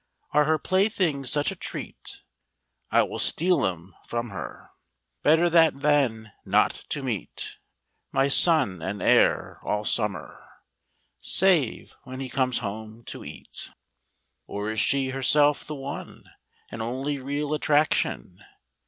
Are her playthings such a treat? I will steal 'em from her; Better that than not to meet My son and heir all summer, Save when he comes home to eat. Or is she herself the one And only real attraction?